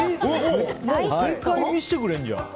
もう正解見せてくれるじゃん。